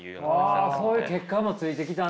そういう結果もついてきたんだ。